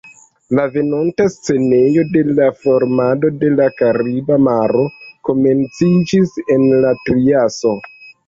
La venonta scenejo de la formado de la Kariba maro komenciĝis en la Triaso.